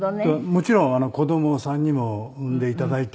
もちろん子どもを３人も産んでいただいて。